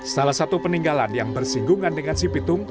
salah satu peninggalan yang bersinggungan dengan si pitung